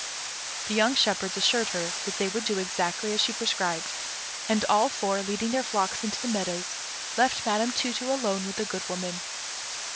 The young shepherds assured her that they would do exactly as she prescribed; and all four, leading their flocks into the meadows, left Madam Tu tu alone with the Good Woman.